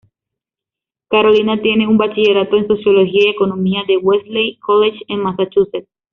Carolina tiene un bachillerato en Sociología y Economía del Wellesley College en Massachusetts.